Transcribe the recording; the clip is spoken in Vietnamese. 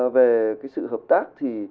về cái sự hợp tác thì